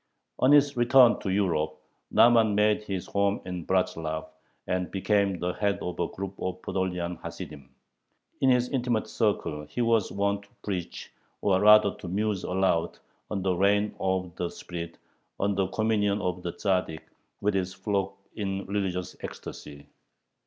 On his return to Europe, Nahman made his home in Bratzlav, and became the head of a group of Podolian Hasidim. In his intimate circle he was wont to preach, or rather to muse aloud, on the reign of the spirit, on the communion of the Tzaddik with his flock in religious ecstasy.